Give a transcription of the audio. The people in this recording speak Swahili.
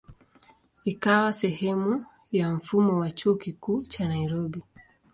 Ikawa sehemu ya mfumo wa Chuo Kikuu cha Nairobi.